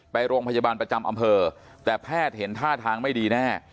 ไปโรงพยาบาลประจำอำเภอแต่แพทย์เห็นท่าทางไม่ดีแน่